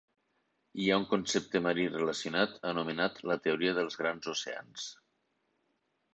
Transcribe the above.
Hi ha un concepte marí relacionat anomenat la "teoria dels grans oceans".